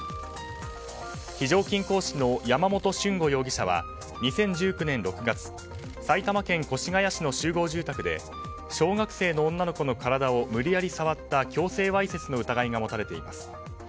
非常勤講師の山本駿吾容疑者は２０１９年６月埼玉県越谷市の集合住宅で小学生の女の子の体を無理やり触った強制わいせつの疑いが持たれています。